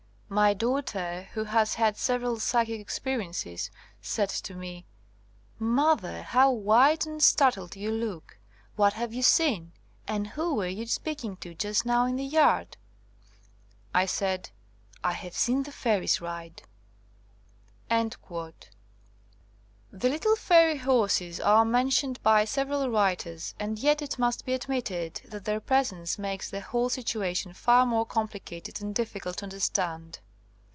My daughter, who has had several psychic experiences, said to me: * Mother, how white and startled you look! What have you seen? And who were you speaking to just now in the yard?' I said, *I have seen the fairies ride!' " The little fairy horses are mentioned by several writers, and yet it must be admitted that their presence makes the whole situa tion far more complicated and difficult to understand.